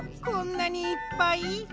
こんなにいっぱい？